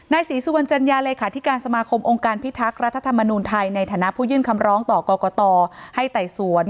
ศรีสุวรรณจัญญาเลขาธิการสมาคมองค์การพิทักษ์รัฐธรรมนูญไทยในฐานะผู้ยื่นคำร้องต่อกรกตให้ไต่สวน